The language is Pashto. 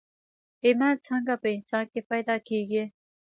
ايمان څنګه په انسان کې پيدا کېږي